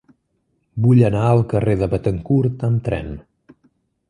Vull anar al carrer de Béthencourt amb tren.